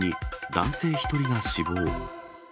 男性１人が死亡。